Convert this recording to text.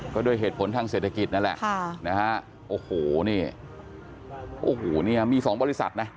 ก็ด้วยเหตุผลทางเศรษฐกิจนั่นแหละโอ้โหนี่มี๒บริษัทนะ